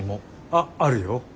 あああるよ。